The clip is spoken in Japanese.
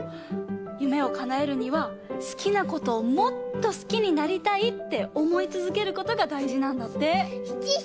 夢をかなえるには好きなことをもっと好きになりたいっておもいつづけることがだいじなんだって。